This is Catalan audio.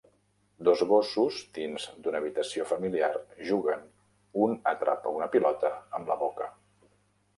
Dos gossos dins d'una habitació familiar juguen, un atrapa una pilota amb la boca.